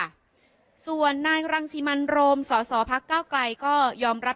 ค่ะส่วนนายรังสิมันโรมสอสอพักเก้าไกลก็ยอมรับ